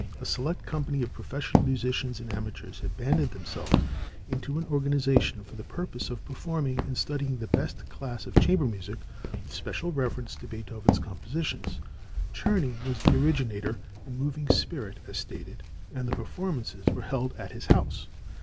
A select company of professional musicians and amateurs had banded themselves into an organization for the purpose of performing and studying the best class of chamber music with special reference to Beethoven's compositions. Czerny was the originator and moving spirit, as stated, and the performances were held at his house.